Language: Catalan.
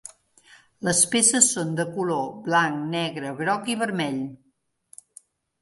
Les peces són de color: blanc, negre, groc i vermell.